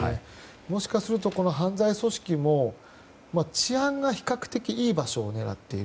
もしかすると犯罪組織も治安が比較的いい場所を狙っている。